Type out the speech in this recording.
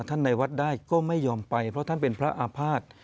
ในวัดได้ก็ไม่ยอมไปเพราะท่านเป็นพระอาภาษณ์